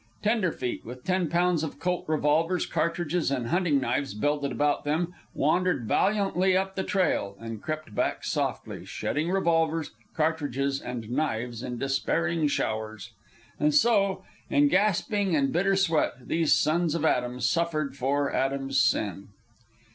Tenderfeet, with ten pounds of Colt's revolvers, cartridges, and hunting knives belted about them, wandered valiantly up the trail, and crept back softly, shedding revolvers, cartridges, and knives in despairing showers. And so, in gasping and bitter sweat, these sons of Adam suffered for Adam's sin.